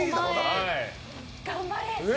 頑張れ！